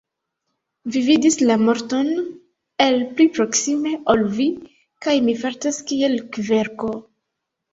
Mi vidis la morton el pli proksime ol vi, kaj mi fartas kiel kverko.